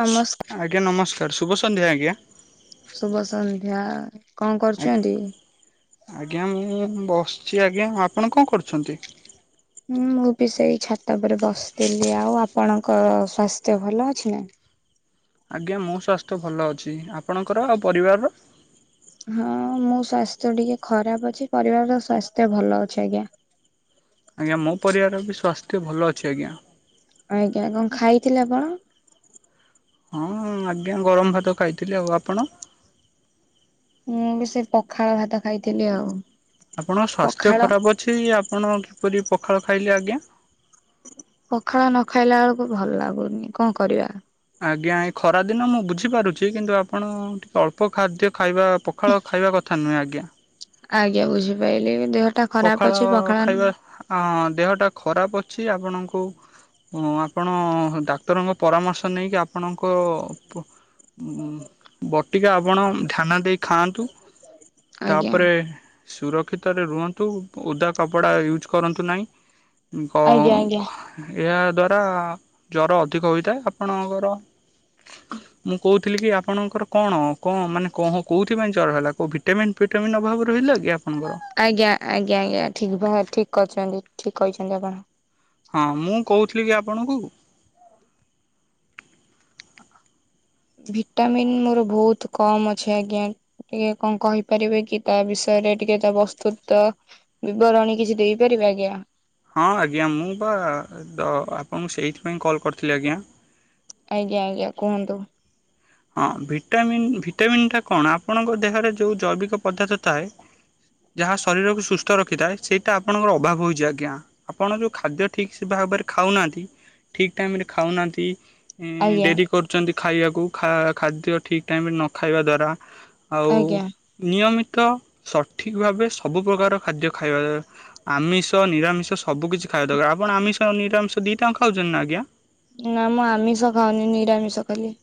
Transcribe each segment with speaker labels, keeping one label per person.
Speaker 1: ନମସ୍
Speaker 2: ଆଜ୍ଞା ନମସ୍କାର୍, ଶୁଭ ସନ୍ଧ୍ୟା ଆଜ୍ଞା।
Speaker 1: ଶୁଭ ସନ୍ଧ୍ୟା, କଣ କରୁଚନ୍ତି?
Speaker 2: ଆଜ୍ଞା ମୁଁ ବସିଚି ଆଜ୍ଞା, ଆପଣ କଣ କରୁଚନ୍ତି?
Speaker 1: ହଁ ମୁଁ ବି ସେଇ ଛାତ ଉପରେ ବସିଥିଲି ଆଉ, ଆପଣଙ୍କ ସ୍ଵାସ୍ଥ୍ୟ ଭଲ ଅଛି ନା?
Speaker 2: ଆଜ୍ଞା ମୋ ସ୍ୱାସ୍ଥ୍ୟ ଭଲ ଅଛି, ଆପଣଙ୍କର ଆଉ ପରିବାରର?
Speaker 1: ହଁ ମୋ ସ୍ଵାସ୍ଥ୍ୟ ଟିକେ ଖରାପ୍ ଅଛି, ପରିବାରର ସ୍ଵାସ୍ଥ୍ୟ ଭଲ ଅଛି ଆଜ୍ଞା।
Speaker 2: ଆଜ୍ଞା ମୋ ପରିବାର ବି ସ୍ୱାସ୍ଥ୍ୟ ଭଲ ଅଛି ଆଜ୍ଞା।
Speaker 1: ଆଜ୍ଞା, କଣ ଖାଇଥିଲେ ଆପଣ?
Speaker 2: ହଁ, ମୁଁ ଆଜ୍ଞା ଗରମ ଭାତ ଖାଇଥିଲି, ଆଉ ଆପଣ?
Speaker 1: ମୁଁ ବି ସେଇ ପଖାଳ ଭାତ ଖାଇଥିଲି ଆଉ।
Speaker 2: ଆପଣଙ୍କ ସ୍ୱାସ୍ଥ୍ୟ
Speaker 1: ପଖାଳ
Speaker 2: ଖରାପ ଅଛି, ଆପଣ କିପରି ପଖାଳ ଖାଇଲେ ଆଜ୍ଞା?
Speaker 1: ପଖାଳ ନ ଖାଇଲା ବେଳକୁ ଭଲ ଲାଗୁନି, କଣ କରିବା?
Speaker 2: ଆଜ୍ଞା ଏ ଖରା ଦିନ ମୁଁ ବୁଝିପାରୁଚି କିନ୍ତୁ ଆପଣ ଟିକେ ଅଳ୍ପ ଖାଦ୍ୟ ଖାଇବା ପ ପଖାଳ ଖାଇବା କଥା ନୁହେଁ ଆଜ୍ଞା।
Speaker 1: ଆଜ୍ଞା ବୁଝିପାଇଲିି ବି, ଦେହ ଟା
Speaker 2: ପଖାଳ
Speaker 1: ଖରାପ ଅଛି, ପଖାଳନ୍
Speaker 2: ଖାଇବା ହଁ ଦେହଟା ଖରାପ ଅଛି ଆପଣଙ୍କୁ ଆପଣ ଡାକ୍ତରଙ୍କ ପରାମର୍ଶ ନେଇକି ଆପଣଙ୍କ ପ ବଟିକା ଆପଣ ଧ୍ୟାନ ଦେଇ ଖାଆନ୍ତୁ।
Speaker 1: ଆଜ୍ଞା।
Speaker 2: ତାପରେ ସୁରକ୍ଷିତରେ ରୁହନ୍ ତୁ, ଓଦା କପଡ଼ା ୟୁଜ୍ କରନ୍ତୁ ନାହିଁ,
Speaker 1: ଆଜ୍ଞା ଆଜ୍ଞା।
Speaker 2: [unintelligible] ଏହା ଦ୍ଵାରା ଜର ଅଧିକ ହୋଇଥାଏ ଆପଣଙ୍କର। ଥିଲି କି ଆପଣଙ୍କର କଣ କଣ ମାନେ କଁହ କେଉଥିପାଇଁ ଜର ହେଲା କୋଉ ଭିଟାମିନ୍ ଫିଟାମିନ୍ ଅଭାବ ରୁ ହେଲାକି ଆପଣଙ୍କର
Speaker 1: ଆଜ୍ଞା ଆଜ୍ଞା ଆଜ୍ଞା ଠିକ୍ ଭା ଠିକ୍ କରିଛନ୍ତି ଠିକ୍ କହିଛନ୍ତି ଆପଣ।
Speaker 2: ହଁ ମୁଁ କହୁଥିଲି କି ଆପଣଙ୍କୁ
Speaker 1: ଭିଟାମିନ୍ ମୋର ବହୁତ୍ କମ୍ ଅଛି ଆଜ୍ଞା। ଟିକେ କଣ କହିପାରିବେ କି ତା ବିଷୟରେ ଟିକେ ତା ବସ୍ତୁତ୍ଵ ବିବରଣୀ କିଛି ଦେଇପାରିବେ ଆଜ୍ଞା
Speaker 2: ହଁ ଆଜ୍ଞା ମୁଁ ବା ତ ଆପଣଙ୍କୁ ସେଇଥିପାଇଁ କଲ୍ କରିଥିଲି ଆଜ୍ଞା।
Speaker 1: ଆଜ୍ଞା ଆଜ୍ଞା କୁହନ୍ତୁ
Speaker 2: ହଁ ଭିଟାମିନ୍ ଭିଟାମିନ୍ ଟା କଣ ଆପଣଙ୍କ ଦେହରେ ଯେଉ ଜୈବିକ ପଦାର୍ଥ ଥାଏ ଯାହା ଶରୀରକୁ ସୁସ୍ଥ ରଖିଥାଏ ସେଇଟା ଆପଣଙ୍କର ଅଭାବ ହୋଇଛି ଆଜ୍ଞା। ଆପଣ ଯୋଉ ଖାଦ୍ୟ ଠିକ୍ ସେ ଭାବରେ ଖାଉନାହାନ୍ତି ଠିକ୍ ଟାଇମ୍ ରେ ଖାଉନାହାନ୍ତି ହୁଁ
Speaker 1: ଆଜ୍ଞା।
Speaker 2: ଡେରି କରୁଛନ୍ତି ଖାଇଆକୁ ଖା ଖାଦ୍ୟ ଠିକ୍ ଟାଇମ୍ ରେ ନ ଖାଇବା ଦ୍ଵାରା ଆଉ
Speaker 1: ଆଜ୍ଞା
Speaker 2: ନିୟମିତ ସଠିକ୍ ଭାବେ ସବୁ ପ୍ରକାର ଖାଦ୍ୟ ଖାଇବା ଦ୍ୱରା ଆମିଷ ନିରାମିଷ ସବୁ କିଛି ଖାଇବା ଦର ଆପଣ ଆମିଷ ନିରାମିଷ ଦିଟାଯାଁକ ଖାଉଛନ୍ତି ନା ଆଜ୍ଞା?
Speaker 1: ନା ମୁଁ ଆମିଷ ଖାଉନି ନିରାମିଷ ଖାଲି।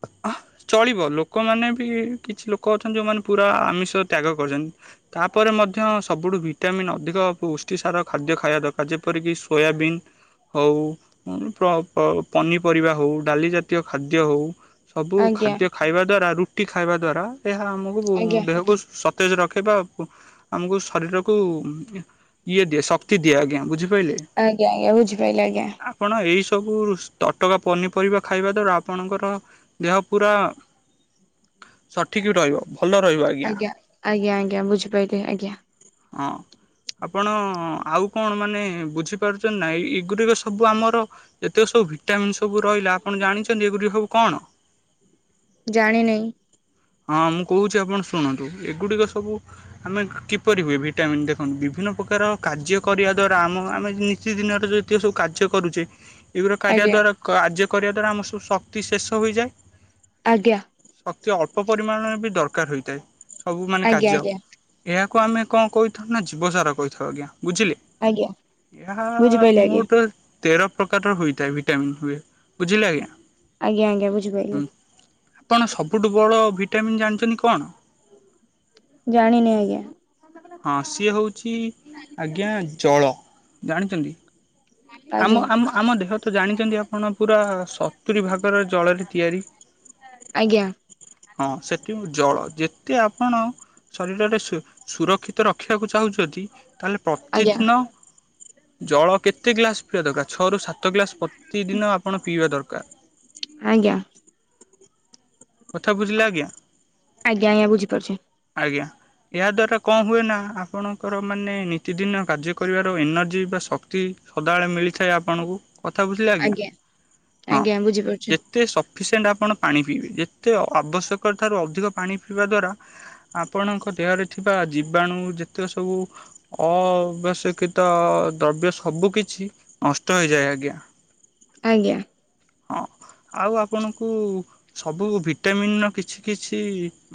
Speaker 2: [unintelligible] ଅ ଚଳିବ ଲୋକମାନେ ବି କିଛି ଲୋକ ଅଛନ୍ତି ଯୋଉମାନେ ପୁରା ଆମିଷ ତ୍ୟାଗ କରିଚନ୍ତି ତାପରେ ମଧ୍ୟ ସବୁଠୁ ଭିଟାମିନ୍ ଅଧିକ ପୃଷ୍ଟି ସାର ଖାଦ୍ୟ ଖାଇଆ ଦରକାର୍ ଯେପରିକି ସୋୟାବିନ୍ ହଉ ଉଁ ପ ପ ପନିପରିବା ହଉ ଡାଲି ଜାତୀୟ ଖାଦ୍ୟ ହଉ ସବୁ
Speaker 1: ଆଜ୍ଞା
Speaker 2: ଖାଦ୍ୟ ଖାଇବା ଦ୍ଵାରା ରୁଟି ଖାଇବା ଦ୍ଵାରା ଏହା ଆମକୁ
Speaker 1: ଆଜ୍ଞା।
Speaker 2: ଦେହକୁ ସୁ ସ ତେଜ୍ ରଖେ ବା ଆମୁକୁ ଶରୀରକୁ ଇଏ ଦିଏ ଶକ୍ତି ଦିଏ ଆଜ୍ଞା ବୁଝିପାଇଲେ?
Speaker 1: ଆଜ୍ଞ ଆଜ୍ଞା ବୁଝିପାଇଲି ଆଜ୍ଞା।
Speaker 2: ଆପଣ ଏଇ ସବୁ ସ୍ତଟକା ପନିପରିବା ଖାଇବା ଦ୍ଵାରା ଆପଣଙ୍କର ଦେହ ପୁରା ସଠିକ୍ ରହିବ। ଭଲ ରହିବ
Speaker 1: ଆଜ୍ଞା ଆଜ୍ଞା ଆଜ୍ଞା ବୁଝିପାଇଲି ଆଜ୍ଞା।
Speaker 2: ହଁ। ଆପଣ ଆଉ କଣ ମାନେ ବୁଝିପାରୁଛନ୍ତି ନା ଏଇ ଏଗୁଡ଼ିକ ସବୁ ଆମର ଯେତିକ ସବୁ ଭିଟାମିନ୍ ସବୁ ରହିଲା ଆପଣ ଜାଣିଛନ୍ତି ଏଗୁଡ଼ିକ ସବୁ କଣ?
Speaker 1: ଜାଣିନେଇଁ।
Speaker 2: ହଁ ମୁଁ କହୁଛି ଆପଣ ଶୁଣନ୍ତୁ ଏଗୁଡ଼ିକ ସବୁ ଆମେ କିପରି ହୁଏ ଭିଟାମିନ୍ ଦେଖନ୍ତୁ ବିଭିନ୍ନ ପ୍ରକାର କାର୍ଯ୍ୟ କରିଆ ଦ୍ଵାରା ଆମ ଆମେ ନିତିଦିନରେ ଯୋ ଯେତିକ ସବୁ କାର୍ଯ୍ୟ କରୁଚେ ଏଗୁଡ଼ିକ କାରିଆ
Speaker 1: ଆଜ୍ଞା
Speaker 2: ଦ୍ୱାରା କାର୍ଯ୍ୟ କରିଆ ଦ୍ୱାରା ଆମର ସବୁ ଶକ୍ତି ଶେଷ ହୋଇଯାଏ
Speaker 1: ଆଜ୍ଞା।
Speaker 2: ଶକ୍ତି ଅଳ୍ପ ପରିମାଣରେ ବି ଦରକାର୍ ହୋଇଥାଏ ସବୁ ମାନେ
Speaker 1: ଆଜ୍ଞା
Speaker 2: କାର୍ଯ୍ୟ।
Speaker 1: ଆଜ୍ଞା
Speaker 2: ଏହାକୁ ଆମେ କଣ କହିଥାଉ ନା ଜୀବସାରା କହିଥାଉ ଆଜ୍ଞା ବୁଝିଲେ
Speaker 1: ଆଜ୍ଞା
Speaker 2: ଏହା
Speaker 1: ବୁଝିପାଇଲି ଆଜ୍ଞା।
Speaker 2: ମୋଟ ତେର ପ୍ରକାର ହୋଇଥାଏ ଭିଟାମିନ୍ ହୁଏ ବୁଝିଲେ ଆଜ୍ଞା
Speaker 1: ଆଜ୍ଞା ଆଜ୍ଞା ବୁଝିପାଇଲି।
Speaker 2: ହୁଁ ଆପଣ ସବୁଠୁ ବଡ ଭିଟାମିନ୍ ଜାଣିଛନ୍ତି କଣ?
Speaker 1: ଜାଣିନି ଆଜ୍ଞା।
Speaker 2: ହଁ ସିଏ ହଉଛି ଆଜ୍ଞା ଜଳ ଜାଣିଚନ୍ତି
Speaker 1: ଆଜ୍ଞା
Speaker 2: ଆମ-ଆମ-ଆମ ଦେଖନ୍ତୁ ତ ଜାଣିଛନ୍ତି ଆପଣ ପୁରା ସ ସତୁରି ଭାଗର ଜଳରେ ତିଆରି।
Speaker 1: ଆଜ୍ଞା
Speaker 2: ହଁ ସେଠି ଜଳ ଯେତେ ଆପଣ ଶରୀରରେ ସୁ ସୁରକ୍ଷି ତ ରଖିବାକୁ ଚାହୁଁଛନ୍ତି ତାହେଲେ
Speaker 1: ଆଜ୍ଞା।
Speaker 2: ପ୍ରତିଦିନ ଜଳ କେତେ ଗ୍ଲାସ ପିଆ ଦରକାର। ଛଅରୁ ସାତ ଗ୍ଲାସ ପ୍ରତିଦିନ ଆପଣ ପିଇବା ଦରକାର।
Speaker 1: ଆଜ୍ଞା
Speaker 2: କଥା ବୁଝିଲେ ଆଜ୍ଞା
Speaker 1: ଆଜ୍ଞା ଆଜ୍ଞା ବୁଝିପାରୁଛି।
Speaker 2: ଆଜ୍ଞା। ଏହା ଦ୍ଵାରା କଣ ହୁଏ ନା ଆପଣଙ୍କର ମାନେ ନିତିଦିନ କାର୍ଯ୍ୟ କରିବାର ଏନର୍ଜି ବା ଶକ୍ତି ସ ସଦାବେଳେ ମିଳିଥାଏ ଆପଣଙ୍କୁ କଥା ବୁଝିଲେ ଆଜ୍ଞା ହଁ
Speaker 1: ଆଜ୍ଞା ବୁଝିପାରୁଛି
Speaker 2: ଯେ ଯେତେ ସଫିସିଏଣ୍ଟ ଆପଣ ପାଣି ପିଇବେ ଯେତେ ଆବଶ୍ୟକ ଠାରୁ ଅଧିକ ପାଣି ପିଇବା ଦ୍ଵାରା ଆପଣଙ୍କ ଦେହରେ ଥିବା ଜୀବାଣୁ ଯେତେକ ସବୁ ଅବ୍ୟଶିକିତ ଦ୍ରବ୍ୟ ସବୁ କି ଛି ନଷ୍ଟ ହେଇଯାଏ ଆଜ୍ଞା।
Speaker 1: ଆଜ୍ଞା।
Speaker 2: ହଁ ଆଉ ଆପଣଙ୍କୁ ସବୁ ଭିଟାମିନର କିଛି କିଛି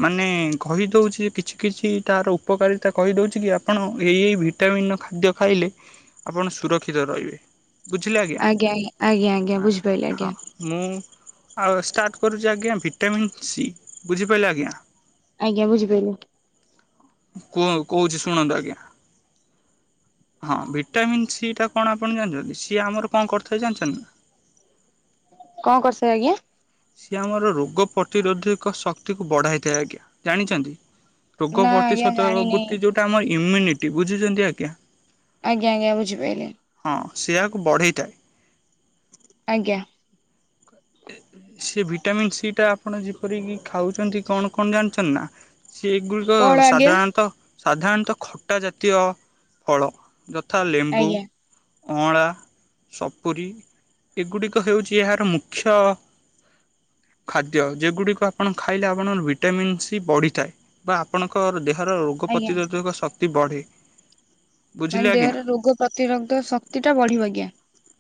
Speaker 2: ମାନେ କହି ଦଉଛି କିଛି କିଛି ତାର ଉ ଉପକାରିତା କହିଦଉଛି କି ଆପଣ ଏଇ ଏଇ ଭିଟାମିନର ଖାଦ୍ୟ ଖାଇଲେ ଆପଣ ସୁରକ୍ଷିତ କ୍ଷିତ ରହିବେ।
Speaker 1: ଆଜ୍ଞା ଆଜ୍ଞା ଆଜ୍ଞା
Speaker 2: ହଁ
Speaker 1: ବୁଝିପାରିଲ
Speaker 2: ହଁ
Speaker 1: ଆଜ୍ଞା।
Speaker 2: ମୁଁ ଆଉ ଷ୍ଟାର୍ଟ କରୁଛି ଆଜ୍ଞା ଭିଟାମିନ୍ ସି ବୁଝିପାଇଲେ ଆଜ୍ଞା।
Speaker 1: ଆଜ୍ଞା ବୁଝିପାଇଲି।
Speaker 2: କୁହ କହୁଛି ଶୁଣନ୍ତୁ ଆଜ୍ଞା। ହଁ ଭିଟାମିନ୍ ସି ଟା। କଣ ଆପଣ ଜାଣିଛନ୍ତି ସିଏ ଆମର କଣ କରିଥାଏ ଜାଣିଛନ୍ତି?
Speaker 1: କଣ କରିଛନ୍ତି ଆଜ୍ଞା?
Speaker 2: ସିଏ ଆମର ରୋଗ ପ୍ରତିରୋଧିକ ଶକ୍ତିକୁ ବଢ଼ାଇଥାଏ ଆଜ୍ଞା ଜାଣିଛନ୍ତି? ରୋଗ
Speaker 1: ନା ଆଜ୍ଞା
Speaker 2: ପ୍ରତିଶୋଧକ
Speaker 1: ଜାଣିନି।
Speaker 2: ବୃତ୍ତି ଯେଉଁଟା ଆମର ଇମ୍ୟୁନିଟି ବୁଝୁଛନ୍ତି ଆଜ୍ଞା।
Speaker 1: ଆଜ୍ଞା ଆଜ୍ଞା ବୁଝି ପାଇଲି।
Speaker 2: ହଁ ସେଇଆକୁ ବଢ଼େଇଥାଏ।
Speaker 1: ଆଜ୍ଞା।
Speaker 2: ସେ ଭିଟାମିନ୍ ସିଟା ଆପଣ ଯେପରିକି ଖାଉଛନ୍ତି କଣ କଣ ଜାଣିଛନ୍ତି ନା? ସେଗୁଡ଼ିକ
Speaker 1: କଣ ଆଜ୍ଞା
Speaker 2: ସାଧାରଣତଃ ସାଧାରଣତଃ ଖଟା ଜାତୀୟ ଫଳ ଯଥା ଲେମ୍ବୁ
Speaker 1: ଆଜ୍ଞା।
Speaker 2: ଅଁଳା, ସପୁରୀ ଏଗୁଡ଼ିକ ହେଉଛି ଏହାର ମୁ ଖ୍ୟ ଖାଦ୍ୟ ଯେଗୁଡ଼ିକ ଆପଣ ଖାଇଲେ ଆପଣଙ୍କର ଭିଟାମିନ୍ ସି ବଢ଼ିଥାଏ। ବା ଆପଣଙ୍କ ଦେହର ରୋଗ
Speaker 1: ଆଜ୍ଞା
Speaker 2: ପ୍ରତିରୋଧକ ଶକ୍ତି ବଢ଼େ। ବୁଝିଲେ
Speaker 1: ମାନେ
Speaker 2: ଆଜ୍ଞା।
Speaker 1: ଦେହରେ ରୋଗ ପ୍ରତିରୋଧକ ଶକ୍ତିଟା ବଢିବ ଆଜ୍ଞା।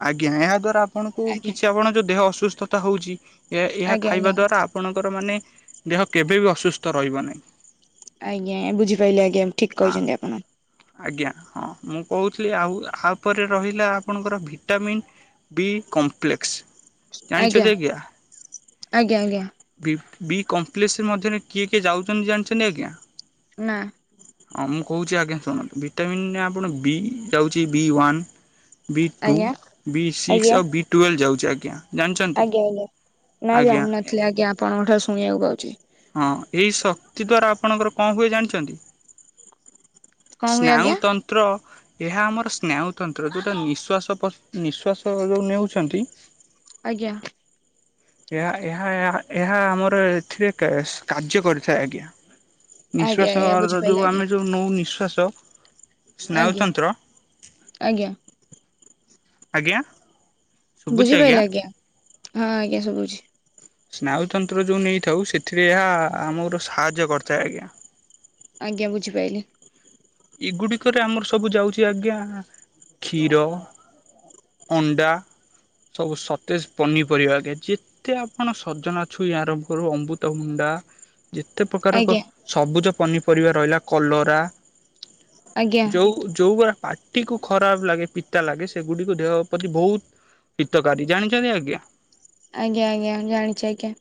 Speaker 2: ଆଜ୍ଞା। ଏହା ଦ୍ଵାରା ଆପଣଙ୍କୁ
Speaker 1: ଆଜ୍ଞା।
Speaker 2: କିଛି ଆପଣଙ୍କ ଯୋଉ ଦେହ ଅସୁସ୍ଥତା ହଉଛି, ଏ ଏହା
Speaker 1: ଆଜ୍ଞା
Speaker 2: ଖାଇବା
Speaker 1: ଆଜ୍ଞା
Speaker 2: ଦ୍ଵାରା ଆ ଆପଣଙ୍କର ମାନେ ଦେହ କେବେ ବି ଅସୁସ୍ଥ ରହିବ ନାହିଁ।
Speaker 1: ଆଜ୍ଞା। ବୁଝି ପାଇଲି ଆଜ୍ଞା ଠିକ୍
Speaker 2: ହଁ
Speaker 1: କହିଛନ୍ତି ଆପଣ।
Speaker 2: ଆଜ୍ଞା, ହଁ ମୁଁ କହୁଥିଲି ଆଉ ଆପରେ ରହିଲା ଆପଣଙ୍କର ଭିଟାମିନ୍ ବି କମ୍ପ୍ଲେକ୍ସ ଜାଣିଛନ୍ତି ଆଜ୍ଞା?
Speaker 1: ଆଜ୍ଞା ଆଜ୍ଞା।
Speaker 2: ବି ବି କମ୍ପ୍ଲେକ୍ସ ମଧ୍ୟରେ କିଏ କିଏ ଯାଉଛନ୍ତି ଜାଣିଛନ୍ତି ଆଜ୍ଞା?
Speaker 1: ନାଁ।
Speaker 2: ହଁ ମୁଁ କହୁଛି ଆଜ୍ଞା ଶୁଣନ୍ତୁ ଭିଟାମିନ୍ ଆପଣ ବି ଯାଉଛି ବି ୱାନ୍ ବି ଟୁ,
Speaker 1: ଆଜ୍ଞା
Speaker 2: ବି ସିକ୍ସ,
Speaker 1: ଆଜ୍ଞା
Speaker 2: ଆଉ ବି ଟୁଏଲ ଯାଉଚି ଆଜ୍ଞା। ଜାଣିଛନ୍ତି
Speaker 1: ଆଜ୍ଞା ଆଜ୍ଞା ନା
Speaker 2: ଆଜ୍ଞା
Speaker 1: ଜାଣିନଥିଲି ଆଜ୍ଞା ଆପଣଙ୍କ ଠାରୁ ଶୁଣିଆକୁ ପାଉଚି।
Speaker 2: ହଁ ଏଇ ଶକ୍ତି ଦ୍ଵାରା ଆପଣଙ୍କର କଣ ହୁଏ ଜାଣିଚନ୍ତି?
Speaker 1: କଣ ହୁଏ
Speaker 2: ସ୍ନାୟୁ
Speaker 1: ଆଜ୍ଞା
Speaker 2: ତନ୍ତ୍ର ଏହା ଆମର ସ୍ନାୟୁତନ୍ତ୍ର ଯୋଉଟା ନିଶ୍ଵାସ ପସ ନିଃଶ୍ଵାସ ଯୋଉ ନେଉଚନ୍ତି।
Speaker 1: ଆଜ୍ଞା।
Speaker 2: ଏହା ଏହା ଏହା ଆମର ଏଠି କେଶ କାର୍ଯ୍ୟ କରିଥାଏ ଆଜ୍ଞା।
Speaker 1: ଆଜ୍ଞା ଆଜ୍ଞା
Speaker 2: ନିଶ୍ଵାସର ଯୋଉ
Speaker 1: ବୁଝିପାଇଲି
Speaker 2: ଆମେ ଯୋଉ ନୋଉ ନିଶ୍ୱାସ।
Speaker 1: ଆଜ୍ଞା ଆଜ୍ଞା।
Speaker 2: ଆଜ୍ଞା।
Speaker 1: ବୁଝିପାଇଲି ଆଜ୍ଞା। ହଁ ଆଜ୍ଞା ସୁବୁଛି।
Speaker 2: ସ୍ନାୟୁତନ୍ତ୍ର ଯେଉଁ ନେଇଥାଉ ସେଥିରେ ଏହା ଆମର ସାହାଯ୍ୟ କରିଥାଏ ଆଜ୍ଞା।
Speaker 1: ଆଜ୍ଞା ବୁଝିପାଇଲିି।
Speaker 2: ଏଗୁଡିକରେ ଆମର ସବୁ ଯାଉଚି ଆଜ୍ଞା କ୍ଷୀର, ଅଣ୍ଡା, ସବୁ ସତେଜ ପନିପରିବା ଆଜ୍ଞା। ଯେତ ତେ ଆପଣ ସଜନା ଛୁଇଁ ଆରମ୍ଭ କରୁ ଅମ୍ବୁତଭଣ୍ଡା। ଯେତେ ପ୍ରକାରକ
Speaker 1: ଆଜ୍ଞା
Speaker 2: ସବୁଜ ପନିପରିବା ରହିଲା କଲରା।
Speaker 1: ଆଜ୍ଞା।
Speaker 2: ଯୋଉ ଯୋଉଗୁଡ଼ା ପାଟିକୁ ଖରାପ ଲାଗେ ପିତା ଲାଗେ ସେଗୁଡ଼ିିକ ଦେହ ପ୍ରତି ବହୁତ ହିତକାରି ଜଣିଚନ୍ତି ଆଜ୍ଞା?
Speaker 1: ଆଜ୍ଞା ଆଜ୍ଞା ଜାଣିଚି ଆଜ୍ଞା।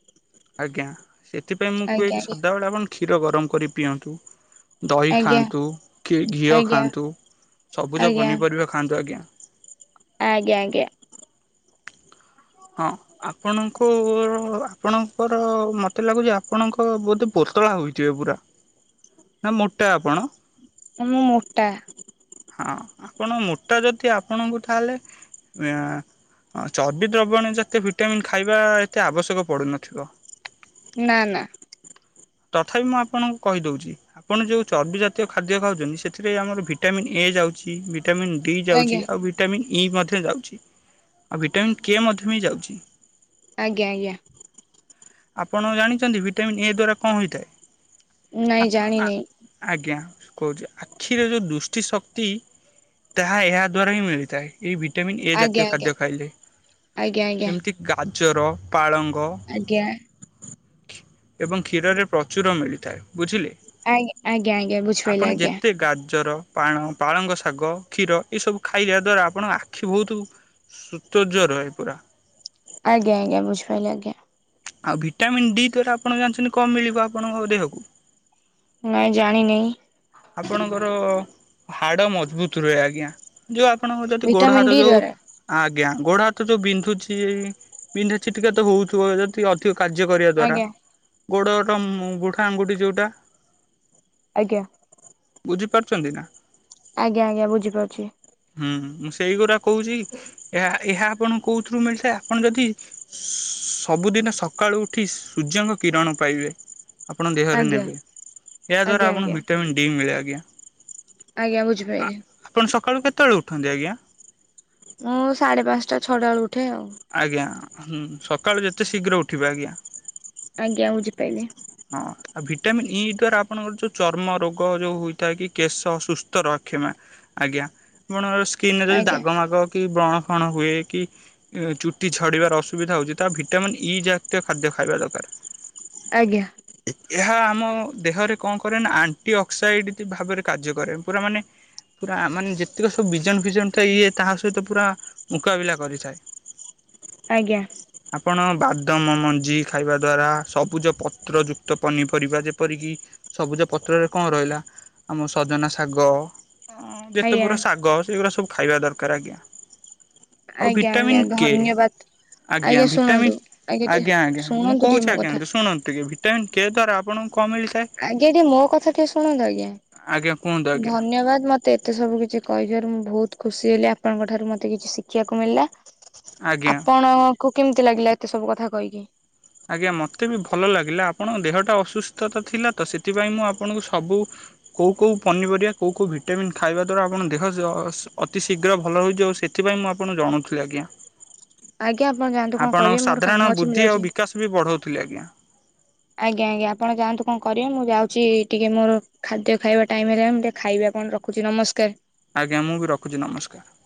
Speaker 2: ଆଜ୍ଞା ସେଥିପାଇଁ ମୁଁ କୁହେ
Speaker 1: ଆଜ୍ଞା
Speaker 2: କି
Speaker 1: ଆଜ୍ଞା।
Speaker 2: ସଦାବେଳେ ଆପଣ କ୍ଷୀର ଗରମ କରି ପିଅନ୍ତୁ। ଦହି
Speaker 1: ଆଜ୍ଞା
Speaker 2: ଖାଆନ୍ତୁ, କି ଘିଅ
Speaker 1: ଆଜ୍ଞା
Speaker 2: ଖାଆନ୍ତୁ, ସବୁଜ
Speaker 1: ଆଜ୍ଞା
Speaker 2: ପନିପରିବା ଖାଆନ୍ତୁ, ଆଜ୍ଞା।
Speaker 1: ଆଜ୍ଞା ଆଜ୍ଞା।
Speaker 2: ଆପଣଙ୍କୁର ଆପଣଙ୍କର ମତେ ଲାଗୁଚ ଆପଣଙ୍କ ବୋଧେ ପୋତଳା ହୋଇଥିବେ ପୁରା। ନା ମୋଟା ଆପଣ?
Speaker 1: ଅଁ ମୁଁ ମୋଟା।
Speaker 2: ହଁ ଆପଣ ମୋଟା ଯଦି ଆପଣଙ୍କୁ ତାହେଲେ ମିଆଁ ଅ ଚର୍ବି ଦ୍ରବ୍ୟଣିୟ ଜାତୀୟ ଭିଟାମିନ୍ ଖାଇବା ଏତେ ଆବଶ୍ୟକ ପଡୁନଥିବ।
Speaker 1: ନା ନା।
Speaker 2: ତଥାପି ମୁଁ ଆପଣଙ୍କୁ କହିଦୋଉଚି। ଆପଣ ଯୋଉ ଚର୍ବି ଜାତୀୟ ଖାଦ୍ୟ ଖାଉଚନ୍ତି ସେଥିରେ ଆମର ଭିଟାମିନ୍ ଏ ଯାଉଚି। ଭିଟାମିନ୍ ଡି
Speaker 1: ଆଜ୍ଞା
Speaker 2: ଯାଉଚି, ଆଉ ଭିଟାମିନ୍ ଇ ମଧ୍ୟ ଯାଉଚି, ଆଉ ଭିଟାମିନ୍ କେ ମଧ୍ୟ ବି ଯାଉଚି।
Speaker 1: ଆଜ୍ଞା ଆଜ୍ଞା।
Speaker 2: ଆପଣ ଜାଣିଚନ୍ତି ଭିଟାମିନ୍ ଏ ଦ୍ଵାରା କଣ ହୋଇଥାଏ?
Speaker 1: ନାଇଁ
Speaker 2: ଆକୁନୁ ଆ।
Speaker 1: ଜାଣିନି
Speaker 2: ଆଜ୍ଞା କହୁଚି ଆଖିରେ ଯୋଉ ଦୃଷ୍ଟି ଶକ୍ତି ତାହା ଏହା ଦ୍ଵାରା ହିଁ ମିଳିଥାଏ। ଏଇ ଭିଟାମିନ୍ ଏ
Speaker 1: ଆଜ୍ଞା
Speaker 2: ଜାତୀୟ
Speaker 1: ଆଜ୍ଞା
Speaker 2: ଖାଦ୍ୟ ଖାଇଲେ।
Speaker 1: ଆଜ୍ଞା ଆଜ୍ଞା।
Speaker 2: ଏମତି ଗାଜର, ପାଳଙ୍ଗ
Speaker 1: ଆଜ୍ଞା।
Speaker 2: ଏବଂ କ୍ଷୀରରେ ପ୍ରଚୁର ମିଳିଥାଏ। ବୁଝିଲେ?
Speaker 1: ଆଜ୍ଞା ଆଜ୍ଞା ଆଜ୍ଞା ବୁଝିପାଇଲି
Speaker 2: ଆପଣ
Speaker 1: ଆଜ୍ଞା
Speaker 2: ଯେତେ ଗାଜର ପାଣ, ପାଳଙ୍ଗ ଶାଗ, କ୍ଷୀର ଏ ସବୁ ଖାଇଵା ଦ୍ଵାରା ଆପଣ ଆଖି ବହୁତ ସୁତର୍ଯ୍ୟ ରହେ ପୁରା।
Speaker 1: ଆଜ୍ଞା ଆଜ୍ଞ ବୁଝିପାଇଲି ଆଜ୍ଞା।
Speaker 2: ଆଉ ଭିଟାମିନ୍ ଡି ଦ୍ଵାରା ଆପଣ ଜାଣିଚନ୍ତି କଁ ମିଳିବ ଆପଣଙ୍କ ଦେହକୁ?
Speaker 1: ନାଇଁ ଜାଣିନାଇଁ।
Speaker 2: ଆପଣଙ୍କର ହାଡ଼ ମଜବୁତ ରୁହେ ଆଜ୍ଞା ଯୋଉ। ଆପଣଙ୍କ ଯଦି ଗୋଡ଼
Speaker 1: ଭିଟାମିନ୍
Speaker 2: ହାତ
Speaker 1: ଡି
Speaker 2: ଯୋଉ।
Speaker 1: ଦ୍ଵାରା
Speaker 2: ଆଜ୍ଞା ଗୋଡ଼ ହାତ ଯୋଉ ବିନ୍ଧୁଛି ବିନ୍ଧୁଛି ଟିକେ ତ ହଉଥିବ ଯଦି ଅଧିକ। କାର୍ଯ୍ୟ କରିବା ଦ୍ଵାରା
Speaker 1: ଆଜ୍ଞା
Speaker 2: ଗୋଡ଼ ର ବୁଢ଼ାଆଙ୍ଗୁଠି ଯେଉଟା।
Speaker 1: ଆଜ୍ଞା।
Speaker 2: ବୁଝିପାରୁଛନ୍ତି ନା?
Speaker 1: ଆଜ୍ଞା ଆଜ୍ଞା ବୁଝିପାରୁଛି।
Speaker 2: ହୁଁ ହୁ ମୁଁ ସେଇଗୁଡା କହୁଛି ଏହା ଏହା ଆପଣଙ୍କୁ କୋଉଥିରୁ ମିଳଥାଏ ଆପଣ ଯଦି ସବୁଦିନ ସକାଳୁ ଉଠି ସୂର୍ଯ୍ୟଙ୍କ କିରଣ ପାଇବେ। ଆପଣ ଦେହରେ
Speaker 1: ଆଜ୍ଞା
Speaker 2: ନେବେ ଏହା ଦ୍ଵାରା
Speaker 1: ଆଜ୍ଞା
Speaker 2: ଆପଣଙ୍କୁ
Speaker 1: ଆଜ୍ଞା।
Speaker 2: ଭିଟାମିନ୍ ଡି ମିଳେ ଆଜ୍ଞା।
Speaker 1: ଆଜ୍ଞା ବୁଝିପାରିଲି।
Speaker 2: ଆପଣ ସକାଳୁ କେତେବେଳୁ ଉଠନ୍ତି ଆଜ୍ଞା।
Speaker 1: ମୁଁ ସାଢ଼େ ପାଞ୍ଚଟା ଛଅଟା ବେଳୁ ଉଠେ ଆଉ।
Speaker 2: ଆଜ୍ଞା ହୁଁ ସକାଳୁ ଯେତେ ଶୀଘ୍ର ଉଠିବେ ଆଜ୍ଞା।
Speaker 1: ଆଜ୍ଞା ବୁଝିପାଇଲିି।
Speaker 2: ହଁ ଆଉ ଭିଟାମିନ୍ ଇ ଦ୍ଵାରା ଆପଣଙ୍କର ଯୋଉ ଚର୍ମ ରୋଗ ଯୋଉଁ ହୋଇଥାଏ କି କେଶ ସୁସ୍ଥ ରଖିବା। ଆଜ୍ଞା ଆପଣଙ୍କ ସ୍କିନରେ ଯଦି
Speaker 1: ଆଜ୍ଞା
Speaker 2: ଦାଗ ମାଗ କି ବ୍ରଣ ଫଣ ହୁଏ କି ଚୁଟି ଝଡ଼ିବାର ଅସୁବିଧା ହେଉଛି ତାହା ଭିଟାମିନ୍ ଇ ଜାତୀୟ ଖାଦ୍ୟ ଖାଇବା ଦରକାର।
Speaker 1: ଆଜ୍ଞା।
Speaker 2: ଏହା ଆମ ଦେହରେ କଣ କରେ ନା ଆଣ୍ଟି ଅକ୍ସାଇଟ ଭାବରେ କାର୍ଯ୍ୟ କରେ ପୁରା ମାନେ ପୁରା ମାନେ ଯେତିକ ସବୁ ବିଜନ ଫିଜନ ଥାଏ ଇଏ ତାହା ସହିତ ପୁରା ମୁକାବିଲା କରିଥାଏ।
Speaker 1: ଆଜ୍ଞା।
Speaker 2: ଆପଣ ବାଦାମ ମଞ୍ଜି ଖାଇବା ଦ୍ୱାରା ସବୁଜ ପତ୍ର ଯୁକ୍ତ ପନିପରିବା ଯେପରିକି ସବୁଜ ପତ୍ରରେ କଣ ରହିଲା ଆମ ସଜନା ଶାଗ। ହ ଯେତେ
Speaker 1: ଆଜ୍ଞା।
Speaker 2: ପୁରା ଶାଗ ସେଗୁରା ସବୁ ଖାଇବା ଦରକାର ଆଜ୍ଞା। ଆଉ
Speaker 1: ଆଜ୍ଞା ଆଜ୍ଞା
Speaker 2: ଭିଟାମିନ୍ କେ
Speaker 1: ଧନ୍ୟବାଦ।
Speaker 2: ଆଜ୍ଞା
Speaker 1: ଶୁଣନ୍ତୁ
Speaker 2: ଭିଟାମିନ୍
Speaker 1: ଟିକେ
Speaker 2: ଆଜ୍ଞା ଆଜ୍ଞା ମୁଁ
Speaker 1: ଶୁଣନ୍ତୁ ଟିକେ
Speaker 2: କହୁଛି
Speaker 1: ମୋ
Speaker 2: ଆଜ୍ଞା
Speaker 1: କଥା।
Speaker 2: ଶୁଣନ୍ତୁ ଟିକେ ଭିଟାମିନ କେ ଦୂରା ଆପଣଙ୍କୁ କଣ ମିଳିଥାଏ
Speaker 1: ଆଜ୍ଞା ଟିକେ ମୋ କଥା ଟିକେ ଶୁଣନ୍ତୁ ଆଜ୍ଞା
Speaker 2: ଆଜ୍ଞା କୁହନ୍ତୁ ଆଜ୍ଞା
Speaker 1: ଧନ୍ୟବାଦ ମତେ ମତେ ଏତେ ସବୁ କିଛି କହିଥିବାରୁ ମୁଁ ବହୁତ ଖୁସି ହେଲି ଆପଣଙ୍କ ଠାରୁ ମତେ କିଛି ଶିଖିବାକୁ ମିଳିଲା।
Speaker 2: ଆଜ୍ଞା
Speaker 1: ଆପଣଙ୍କୁ କେମିତି ଲାଗିଲା ଏତେ ସବୁ କଥା କହିକି
Speaker 2: ଆଜ୍ଞା ମୋତେ ବି ଭଲ ଲାଗିଲା ଆପଣଙ୍କ ଦେହଟା ଅସୁସ୍ଥତା ଥିଲା ତ ସେଥିପାଇଁ ମୁଁ ଆପଣଙ୍କୁ ସବୁ କୋଉ କୋଉ ପନିପରିବା କୋଉ କୋଉ ଭିଟାମିନ୍ ଖାଇବା ଦ୍ୱାରା ଆପଣ ଦେହ ଅତିଶୀଘ୍ର ଭଲ ହୋଇଯିବ ସେ ସେଥିପାଇଁ ମୁଁ ଆପଣଙ୍କୁ ଜଣଉଥିଲି ଆଜ୍ଞା।
Speaker 1: ଆଜ୍ଞା ଆପଣ ଯାଆନ୍ତୁ କଣ
Speaker 2: ଆପଣଙ୍କ
Speaker 1: କରିବେ ମୋର
Speaker 2: ସାଧାରଣ
Speaker 1: କାମ ଅଛି ମୁଁ
Speaker 2: ବୁଦ୍ଧି ଆଉ
Speaker 1: ଯାଉଛି।
Speaker 2: ବିକାଶ ବି ବଢଉଥିଲ ଆଜ୍ଞା।
Speaker 1: ଆଜ୍ଞା ଆଜ୍ଞା ଆପଣ ଯାନ୍ତୁ କଣ କରିବେ ମୁଁ ଯାଉଛି ଟିକେ ମୋର ଖାଦ୍ୟ ଖାଇବା ଟାଇମ୍ ହେଲା ମୁଁ ଟିକେ ଖାଇବ ଆପଣ ରଖ ରଖୁଛି ନମସ୍କାର।
Speaker 2: ଆଜ୍ଞା ମୁଁ ବି ରଖୁଛି ନମସ୍କାର।